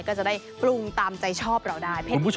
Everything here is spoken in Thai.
ก็จะได้ปรุงตามใจชอบเราได้